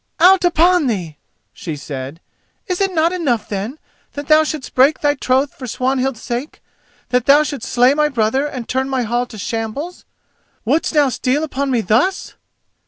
"Out upon thee!" she said; "is it not enough, then, that thou shouldst break thy troth for Swanhild's sake, that thou shouldst slay my brother and turn my hall to shambles? Wouldst now steal upon me thus!"